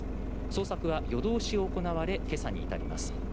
捜索は夜通し行われ今朝に至ります。